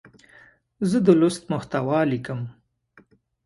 زه د لوست محتوا لیکم.